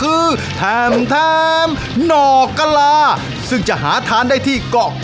อร่อยเชียบแน่นอนครับอร่อยเชียบแน่นอนครับ